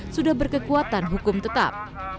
sudah berkekuatan hukum tetap